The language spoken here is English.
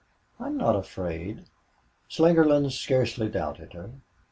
"I'm not afraid." Slingerland scarcely doubted her.